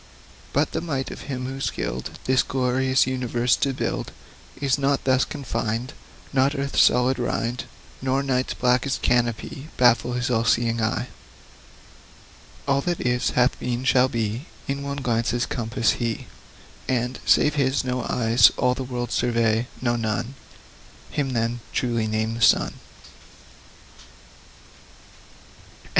But the might of Him, who skilled This great universe to build, Is not thus confined; Not earth's solid rind, Nor night's blackest canopy, Baffle His all seeing eye. All that is, hath been, shall be, In one glance's compass, He Limitless descries; And, save His, no eyes All the world survey no, none! Him, then, truly name the Sun. III.